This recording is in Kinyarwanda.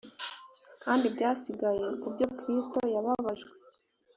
kandi ibyasigaye ku byo kristo yababajwe